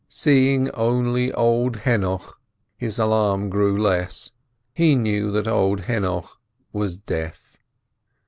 Seeing only old Henoch, his alarm grew less, he knew that old Henoch was deaf.